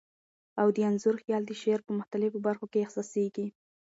او د انځور خیال د شعر په مختلفو بر خو کي احسا سیږی.